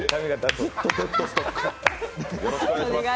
ずっとデッドストック。